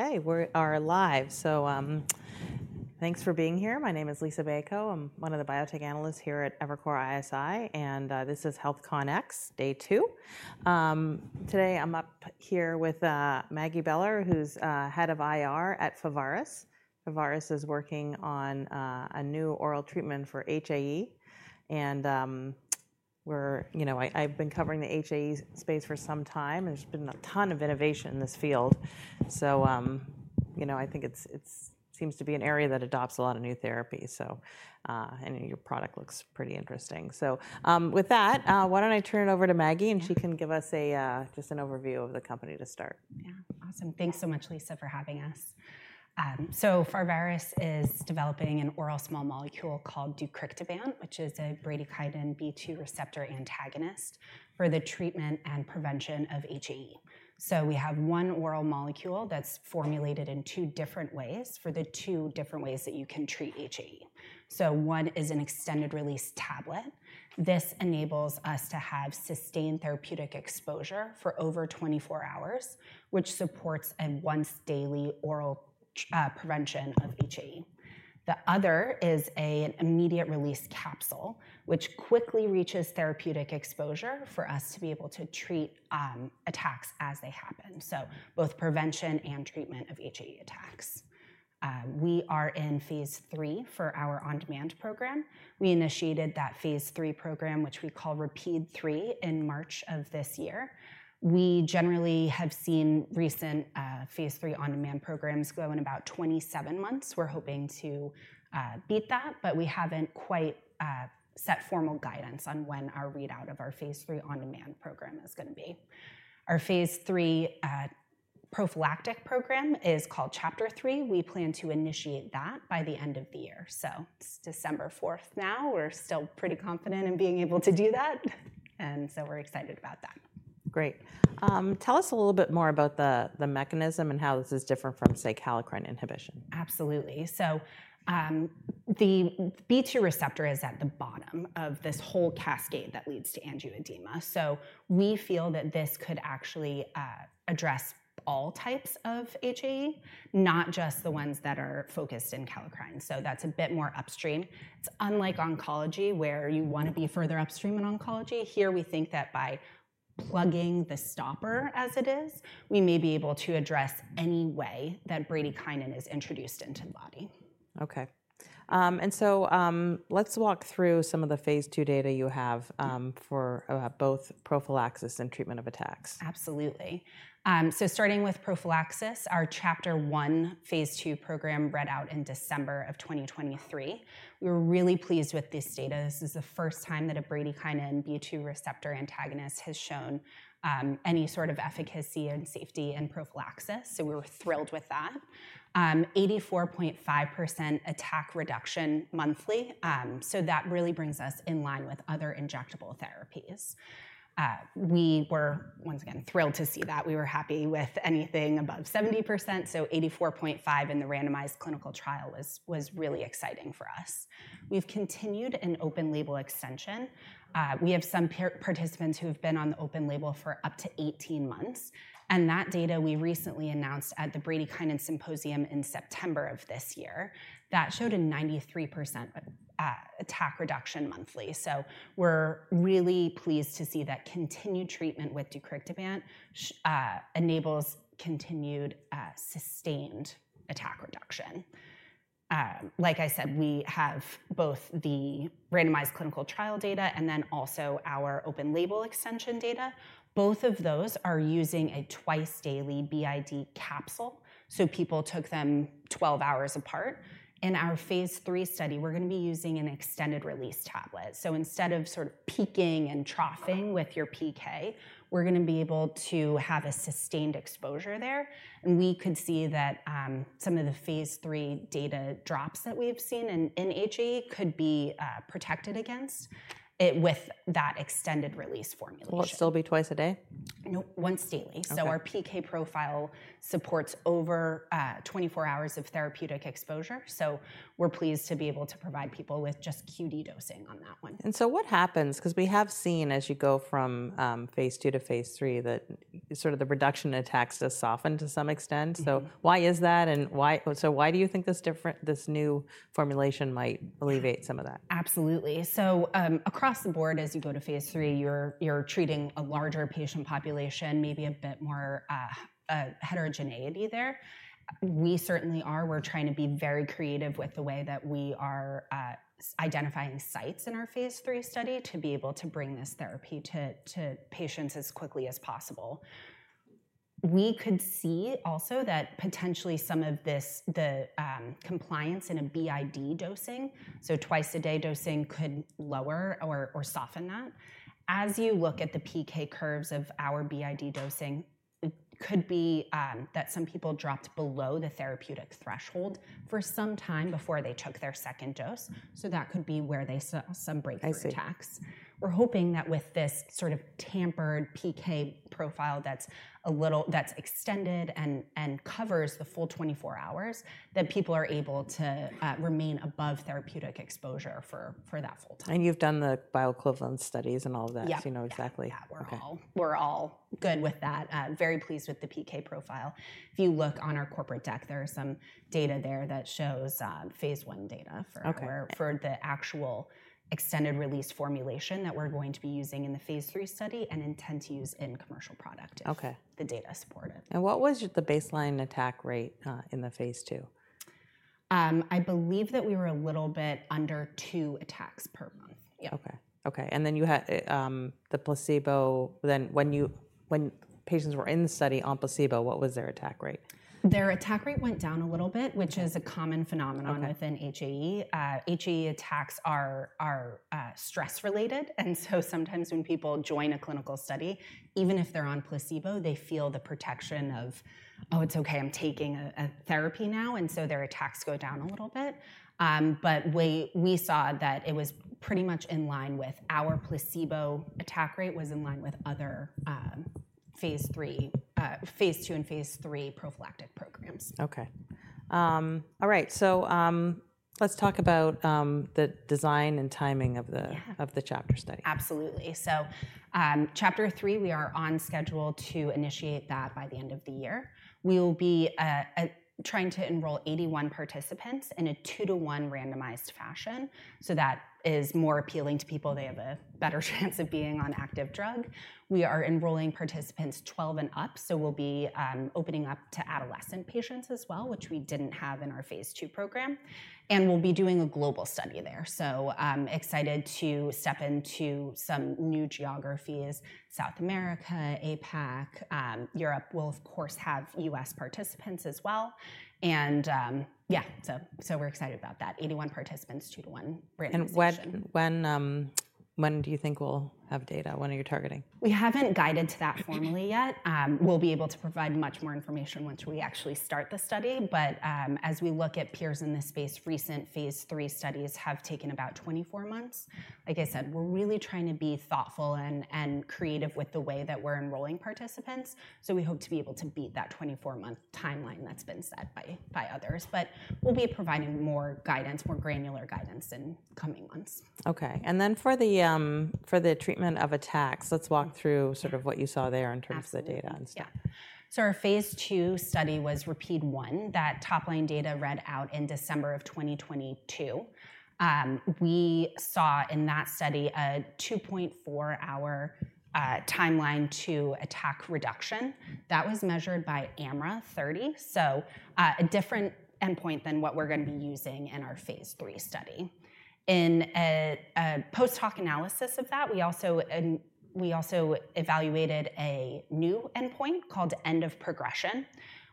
Okay, we're live. So, thanks for being here. My name is Liisa Bayko. I'm one of the biotech analysts here at Evercore ISI, and this is HealthCONx, day two. Today I'm up here with Maggie Beller, who's head of IR at Pharvaris. Pharvaris is working on a new oral treatment for HAE, and we're, you know, I've been covering the HAE space for some time, and there's been a ton of innovation in this field. So, you know, I think it seems to be an area that adopts a lot of new therapies. So, and your product looks pretty interesting. So, with that, why don't I turn it over to Maggie, and she can give us a just an overview of the company to start. Yeah, awesome. Thanks so much, Liisa, for having us. Pharvaris is developing an oral small molecule called deucrictibant, which is a bradykinin B2 receptor antagonist for the treatment and prevention of HAE. We have one oral molecule that's formulated in two different ways for the two different ways that you can treat HAE. One is an extended-release tablet. This enables us to have sustained therapeutic exposure for over 24 hours, which supports a once-daily oral prevention of HAE. The other is an immediate-release capsule, which quickly reaches therapeutic exposure for us to be able to treat attacks as they happen. Both prevention and treatment of HAE attacks. We are in phase three for our on-demand program. We initiated that phase three program, which we call RAPID-3, in March of this year. We generally have seen recent phase three on-demand programs go in about 27 months. We're hoping to beat that, but we haven't quite set formal guidance on when our readout of our phase 3 on-demand program is going to be. Our phase 3 prophylactic program is called Chapter-3. We plan to initiate that by the end of the year, so it's December 4th now. We're still pretty confident in being able to do that, and so we're excited about that. Great. Tell us a little bit more about the mechanism and how this is different from, say, kallikrein inhibition? Absolutely. So, the B2 receptor is at the bottom of this whole cascade that leads to angioedema. So we feel that this could actually address all types of HAE, not just the ones that are focused in kallikrein. So that's a bit more upstream. It's unlike oncology, where you want to be further upstream in oncology. Here, we think that by plugging the stopper as it is, we may be able to address any way that bradykinin is introduced into the body. Okay. And so, let's walk through some of the phase two data you have for both prophylaxis and treatment of attacks. Absolutely. So starting with prophylaxis, our CHAPTER-1 phase 2 program read out in December of 2023. We were really pleased with this data. This is the first time that a bradykinin B2 receptor antagonist has shown any sort of efficacy and safety in prophylaxis. So we were thrilled with that. 84.5% attack reduction monthly, so that really brings us in line with other injectable therapies. We were once again thrilled to see that. We were happy with anything above 70%. So 84.5% in the randomized clinical trial was really exciting for us. We've continued an open-label extension. We have some participants who have been on the open-label for up to 18 months. And that data we recently announced at the Bradykinin Symposium in September of this year that showed a 93% attack reduction monthly. So we're really pleased to see that continued treatment with deucrictibant enables continued, sustained attack reduction. Like I said, we have both the randomized clinical trial data and then also our open label extension data. Both of those are using a twice-daily BID capsule. So people took them 12 hours apart. In our phase three study, we're going to be using an extended-release tablet. So instead of sort of peaking and troughing with your PK, we're going to be able to have a sustained exposure there. And we could see that some of the phase three data drops that we've seen in HAE could be protected against it with that extended-release formulation. Will it still be twice a day? Nope, once daily. So our PK profile supports over 24 hours of therapeutic exposure. So we're pleased to be able to provide people with just QD dosing on that one. And so what happens? Because we have seen as you go from phase two to phase three that sort of the reduction in attacks has softened to some extent. So why is that? And why? So why do you think this different, this new formulation might alleviate some of that? Absolutely. So, across the board, as you go to phase 3, you're treating a larger patient population, maybe a bit more heterogeneity there. We certainly are. We're trying to be very creative with the way that we are identifying sites in our phase 3 study to be able to bring this therapy to patients as quickly as possible. We could see also that potentially some of this compliance in a BID dosing, so twice-a-day dosing could lower or soften that. As you look at the PK curves of our BID dosing, it could be that some people dropped below the therapeutic threshold for some time before they took their second dose. So that could be where they saw some breakthrough attacks. We're hoping that with this sort of tapered PK profile that's extended and covers the full 24 hours, that people are able to remain above therapeutic exposure for that full time. And you've done the bioequivalent studies and all of that, so you know exactly. Yeah, we're all good with that. Very pleased with the PK profile. If you look on our corporate deck, there are some data there that shows phase one data for the actual extended-release formulation that we're going to be using in the phase three study and intend to use in commercial product. Okay. The data support it. What was the baseline attack rate in the phase two? I believe that we were a little bit under two attacks per month. Yeah. Okay. And then you had the placebo. Then when patients were in the study on placebo, what was their attack rate? Their attack rate went down a little bit, which is a common phenomenon within HAE. HAE attacks are stress-related. And so sometimes when people join a clinical study, even if they're on placebo, they feel the protection of, oh, it's okay, I'm taking a therapy now. And so their attacks go down a little bit, but we saw that it was pretty much in line with our placebo attack rate was in line with other phase three, phase two and phase three prophylactic programs. So, let's talk about the design and timing of the CHAPTER study. Absolutely. So, CHAPTER-3, we are on schedule to initiate that by the end of the year. We will be trying to enroll 81 participants in a two-to-one randomized fashion. So that is more appealing to people. They have a better chance of being on active drug. We are enrolling participants 12 and up. So we'll be opening up to adolescent patients as well, which we didn't have in our phase 2 program. And we'll be doing a global study there. So, excited to step into some new geographies, South America, APAC, Europe. We'll, of course, have U.S. participants as well. And, yeah, so, so we're excited about that. 81 participants, two-to-one randomization. When do you think we'll have data? When are you targeting? We haven't guided to that formally yet. We'll be able to provide much more information once we actually start the study. But, as we look at peers in this space, recent phase three studies have taken about 24 months. Like I said, we're really trying to be thoughtful and creative with the way that we're enrolling participants. So we hope to be able to beat that 24-month timeline that's been set by others. But we'll be providing more guidance, more granular guidance in coming months. Okay. And then for the treatment of attacks, let's walk through sort of what you saw there in terms of the data and stuff. Yeah. So our phase two study was RAPID-1. That top-line data read out in December of 2022. We saw in that study a 2.4-hour timeline to attack reduction. That was measured by AMRA 30. So, a different endpoint than what we're going to be using in our phase three study. In a post-hoc analysis of that, we also evaluated a new endpoint called end of progression.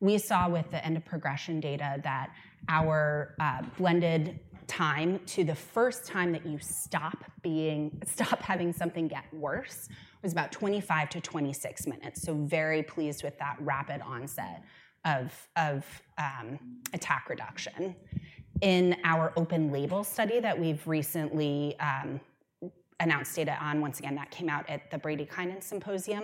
We saw with the end of progression data that our blended time to the first time that you stop being, stop having something get worse was about 25-26 minutes. So very pleased with that rapid onset of attack reduction. In our open label study that we've recently announced data on, once again, that came out at the Bradykinin Symposium,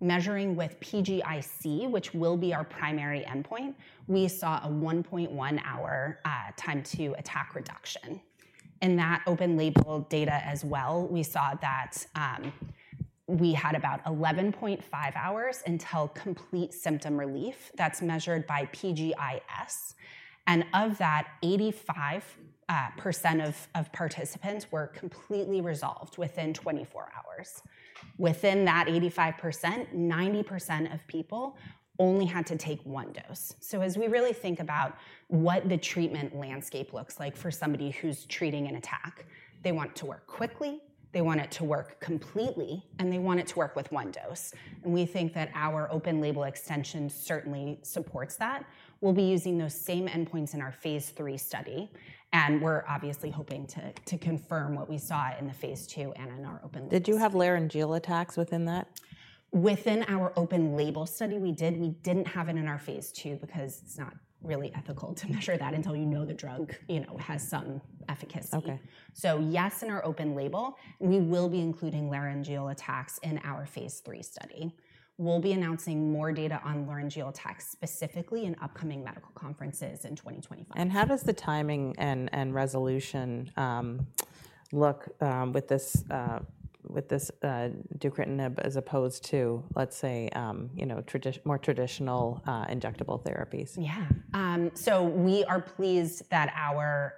measuring with PGIC, which will be our primary endpoint, we saw a 1.1-hour time to attack reduction. In that open label data as well, we saw that we had about 11.5 hours until complete symptom relief. That's measured by PGIS. And of that, 85% of participants were completely resolved within 24 hours. Within that 85%, 90% of people only had to take one dose. So as we really think about what the treatment landscape looks like for somebody who's treating an attack, they want it to work quickly, they want it to work completely, and they want it to work with one dose. And we think that our open label extension certainly supports that. We'll be using those same endpoints in our phase three study. And we're obviously hoping to confirm what we saw in the phase two and in our open label. Did you have laryngeal attacks within that? Within our open label study, we did. We didn't have it in our phase 2 because it's not really ethical to measure that until you know the drug, you know, has some efficacy. Okay. Yes, in our open label, we will be including laryngeal attacks in our phase 3 study. We'll be announcing more data on laryngeal attacks specifically in upcoming medical conferences in 2025. How does the timing and resolution look with this deucrictibant as opposed to, let's say, you know, more traditional injectable therapies? Yeah. So we are pleased that our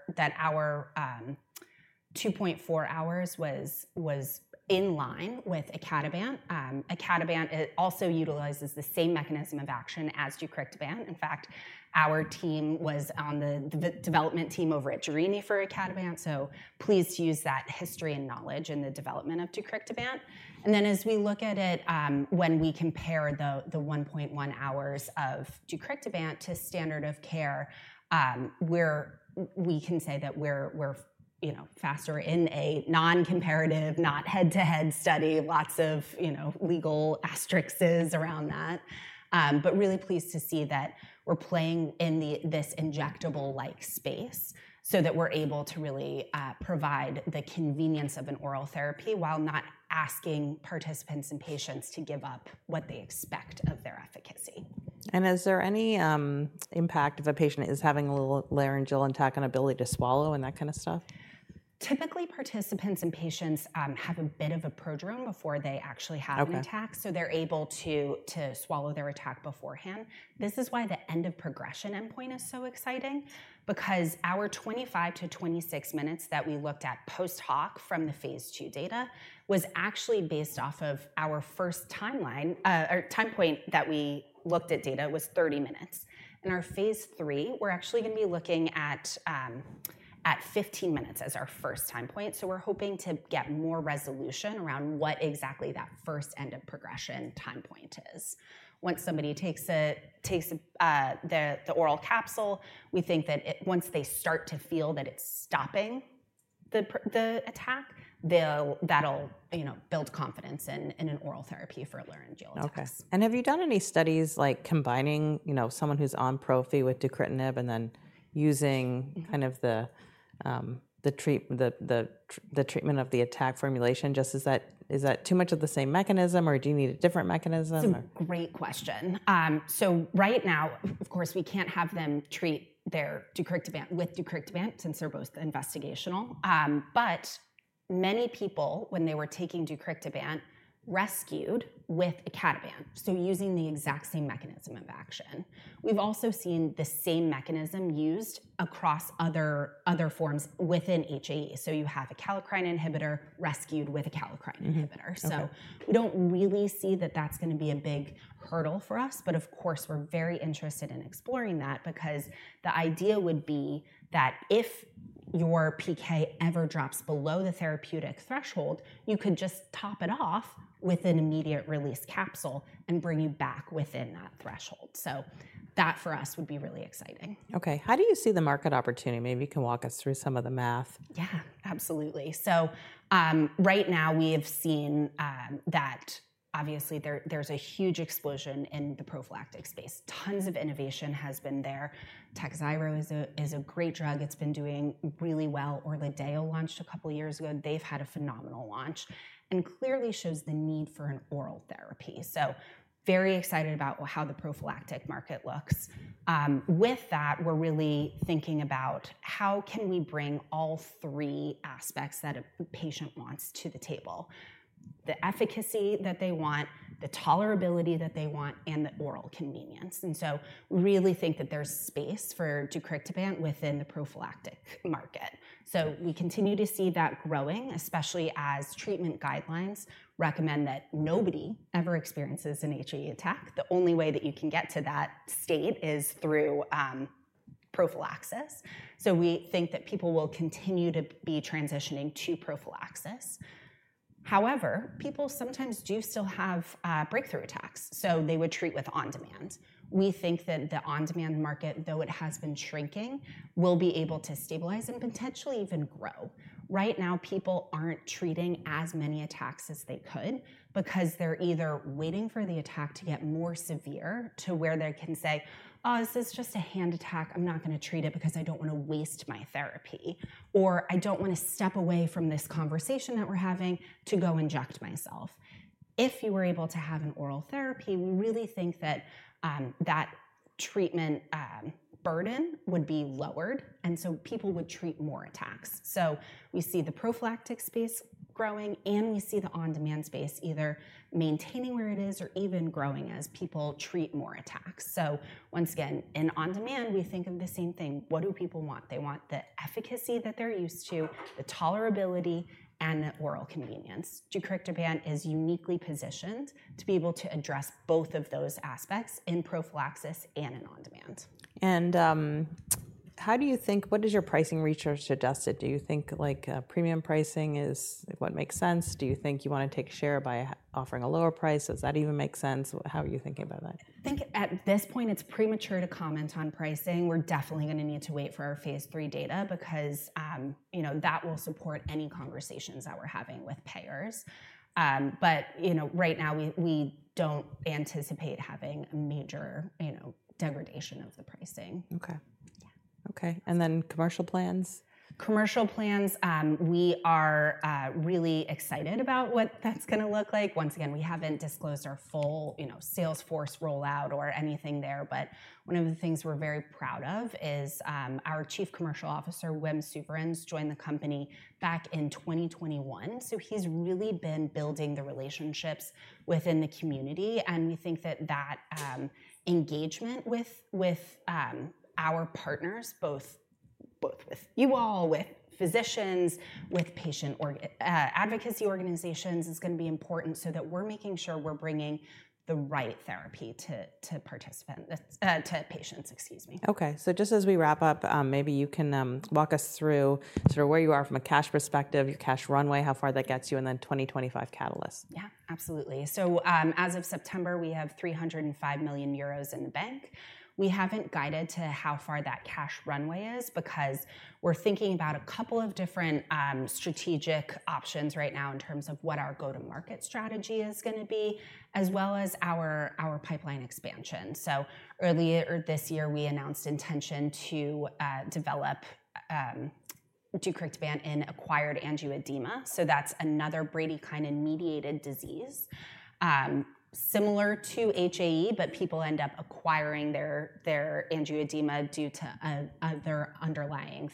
2.4 hours was in line with icatibant. Icatibant also utilizes the same mechanism of action as deucrictibant. In fact, our team was on the development team over at Jerini for icatibant. So please use that history and knowledge in the development of deucrictibant. And then as we look at it, when we compare the 1.1 hours of deucrictibant to standard of care, we can say that we're, you know, faster in a non-comparative, not head-to-head study, lots of, you know, legal asterisks around that. But really pleased to see that we're playing in the, this injectable-like space so that we're able to really provide the convenience of an oral therapy while not asking participants and patients to give up what they expect of their efficacy. Is there any impact if a patient is having a little laryngeal attack and ability to swallow and that kind of stuff? Typically, participants and patients have a bit of a prodrome before they actually have an attack. So they're able to stall their attack beforehand. This is why the end of progression endpoint is so exciting, because our 25-26 minutes that we looked at post-hoc from the phase two data was actually based off of our first timeline, or time point that we looked at data was 30 minutes. In our phase three, we're actually going to be looking at 15 minutes as our first time point. So we're hoping to get more resolution around what exactly that first end of progression time point is. Once somebody takes the oral capsule, we think that once they start to feel that it's stopping the attack, they'll. That'll, you know, build confidence in an oral therapy for laryngeal attacks. Okay. And have you done any studies like combining, you know, someone who's on prophy with deucrictibant and then using kind of the treatment of the attack formulation? Just, is that too much of the same mechanism or do you need a different mechanism? It's a great question, so right now, of course, we can't have them treat their deucrictibant with deucrictibant since they're both investigational, but many people, when they were taking deucrictibant, rescued with icatibant, so using the exact same mechanism of action. We've also seen the same mechanism used across other forms within HAE, so you have a kallikrein inhibitor rescued with a kallikrein inhibitor, so we don't really see that that's going to be a big hurdle for us. But of course, we're very interested in exploring that because the idea would be that if your PK ever drops below the therapeutic threshold, you could just top it off with an immediate-release capsule and bring you back within that threshold, so that for us would be really exciting. Okay. How do you see the market opportunity? Maybe you can walk us through some of the math. Yeah, absolutely. So, right now we have seen that obviously there there's a huge explosion in the prophylactic space. Tons of innovation has been there. Takhzyro is a great drug. It's been doing really well. Orladeyo launched a couple of years ago. They've had a phenomenal launch and clearly shows the need for an oral therapy. So very excited about how the prophylactic market looks. With that, we're really thinking about how can we bring all three aspects that a patient wants to the table, the efficacy that they want, the tolerability that they want, and the oral convenience. And so we really think that there's space for deucrictibant within the prophylactic market. So we continue to see that growing, especially as treatment guidelines recommend that nobody ever experiences an HAE attack. The only way that you can get to that state is through prophylaxis. So we think that people will continue to be transitioning to prophylaxis. However, people sometimes do still have breakthrough attacks. So they would treat with on-demand. We think that the on-demand market, though it has been shrinking, will be able to stabilize and potentially even grow. Right now, people aren't treating as many attacks as they could because they're either waiting for the attack to get more severe to where they can say, "Oh, this is just a hand attack. I'm not going to treat it because I don't want to waste my therapy," or "I don't want to step away from this conversation that we're having to go inject myself." If you were able to have an oral therapy, we really think that treatment burden would be lowered. And so people would treat more attacks. So we see the prophylactic space growing and we see the on-demand space either maintaining where it is or even growing as people treat more attacks. So once again, in on-demand, we think of the same thing. What do people want? They want the efficacy that they're used to, the tolerability, and the oral convenience. Deucrictibant is uniquely positioned to be able to address both of those aspects in prophylaxis and in on-demand. How do you think, what is your pricing research adjusted? Do you think like a premium pricing is what makes sense? Do you think you want to take share by offering a lower price? Does that even make sense? How are you thinking about that? I think at this point it's premature to comment on pricing. We're definitely going to need to wait for our phase three data because, you know, that will support any conversations that we're having with payers. But, you know, right now we don't anticipate having a major, you know, degradation of the pricing. Okay. Okay. And then commercial plans? Commercial plans, we are really excited about what that's going to look like. Once again, we haven't disclosed our full, you know, salesforce rollout or anything there. But one of the things we're very proud of is our Chief Commercial Officer, Wim Souverains, joined the company back in 2021. So he's really been building the relationships within the community. And we think that engagement with our partners, both with you all, with physicians, with patient advocacy organizations is going to be important so that we're making sure we're bringing the right therapy to participants, to patients, excuse me. Okay. So just as we wrap up, maybe you can walk us through sort of where you are from a cash perspective, your cash runway, how far that gets you, and then 2025 catalyst. Yeah, absolutely. So, as of September, we have 305 million euros in the bank. We haven't guided to how far that cash runway is because we're thinking about a couple of different strategic options right now in terms of what our go-to-market strategy is going to be, as well as our pipeline expansion. So earlier this year, we announced intention to develop deucrictibant in acquired angioedema. So that's another bradykinin-mediated disease, similar to HAE, but people end up acquiring their angioedema due to their underlying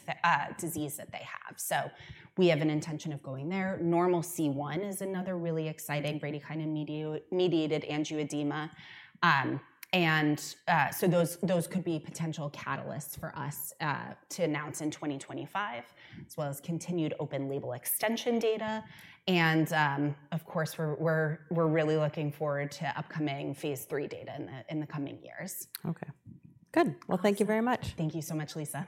disease that they have. So we have an intention of going there. Normal C1-INH is another really exciting bradykinin-mediated angioedema, and so those could be potential catalysts for us to announce in 2025, as well as continued open-label extension data. Of course, we're really looking forward to upcoming phase three data in the coming years. Okay. Good. Well, thank you very much. Thank you so much, Liisa.